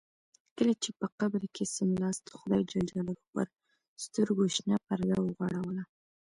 کله چې په قبر کې څملاست خدای جل جلاله پر سترګو شنه پرده وغوړوله.